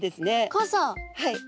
はい。